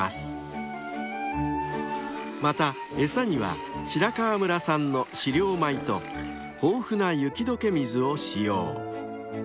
［また餌には白川村産の飼料米と豊富な雪解け水を使用］